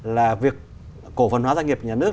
là việc cổ phần hóa doanh nghiệp nhà nước